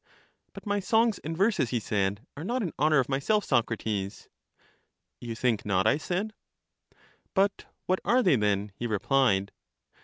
But my songs and verses, he said, are not in honor of myself, Socrates. You think not, I said. But what are they, then? he replied.